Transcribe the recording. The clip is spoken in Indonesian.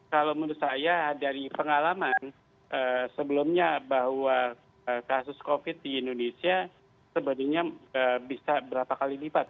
kalau menurut saya dari pengalaman sebelumnya bahwa kasus covid di indonesia sebenarnya bisa berapa kali lipat